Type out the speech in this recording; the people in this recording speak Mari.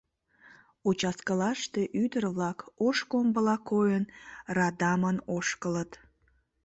Участкылаште ӱдыр-влак, ош комбыла койын, радамын ошкылыт.